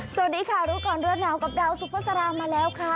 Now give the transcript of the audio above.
สวัสดีค่ะรูปกรณ์ด้วยนาวกับดาวซุปเปอร์สารามาแล้วค่ะ